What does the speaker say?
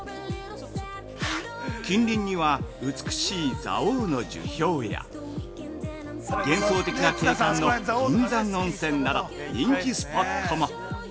近隣には、美しい蔵王の樹氷や幻想的な景観の銀山温泉など人気スポットも。